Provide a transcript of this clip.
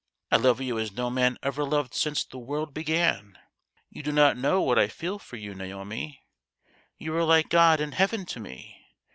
" I love you as no man ever loved since the world began ! You do not know what I feel for you, Naomi. You are like God and heaven to me